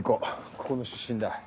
ここの出身だ。